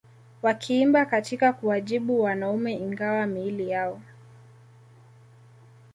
wakiimba katika kuwajibu wanaume Ingawa miili yao